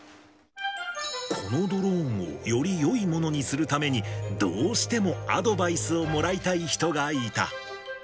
このドローンを、よりよいものにするために、どうしてもアドバイスをもらいたい人がいた。